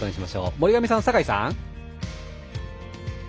森上さん、酒井さん。